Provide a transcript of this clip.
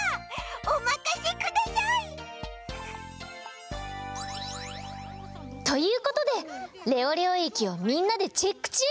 おまかせください！ということでレオレオえきをみんなでチェックちゅう